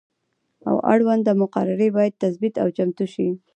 اړونده مقررې باید تثبیت او چمتو شي.